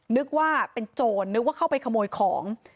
นึกว่าเป็นโจรนึกว่าเข้าไปขโมยของ